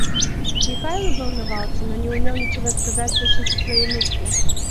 Михайлов волновался, но не умел ничего сказать в защиту своей мысли.